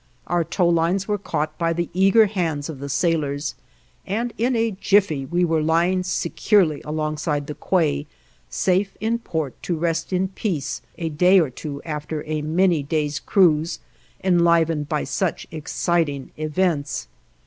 Our tow lines were caught by the eager hands of the sailors, and in a jiffy we were lying securely alongside the quay, safe in port to rest in peace a day or two after a many days' cruise enlivened by such exciting events.